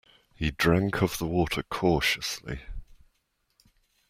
He drank of the water cautiously.